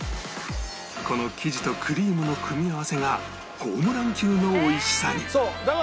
この生地とクリームの組み合わせがホームラン級のおいしさに